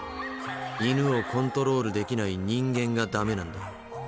犬をコントロールできない人間がダメなんだ。